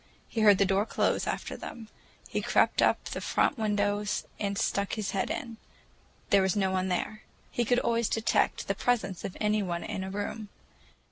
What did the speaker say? He heard the door close after them. He crept up to the front windows and stuck his head in: there was no one there. He could always detect the presence of any one in a room.